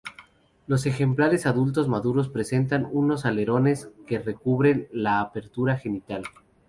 Los ejemplares adultos maduros presentan unos alerones que recubren la apertura genital.